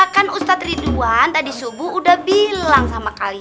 kan ustadz ridwan tadi subuh udah bilang sama kalian